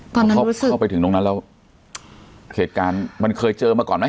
ตอนนั้นรู้สึกเข้าไปถึงตรงนั้นแล้วเหตุการณ์มันเคยเจอมาก่อนไหม